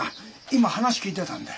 今話聞いてたんだ。